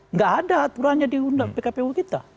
nggak ada aturannya di undang pkpu kita